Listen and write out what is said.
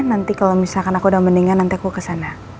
nanti kalau misalkan aku udah mendingan nanti aku kesana